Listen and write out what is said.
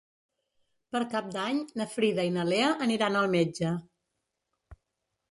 Per Cap d'Any na Frida i na Lea aniran al metge.